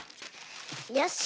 よし！